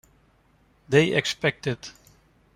They expect it.